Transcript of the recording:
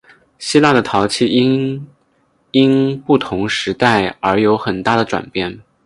希腊的陶器因应不同时代而有很大的转变。